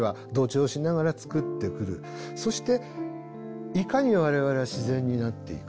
そしていかに我々は自然になっていくのか。